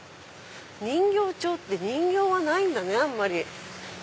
人形町って人形はないんだねあんまり。